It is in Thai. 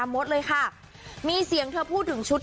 อ่ะไปฟังเสียงกันหน่อยจ้า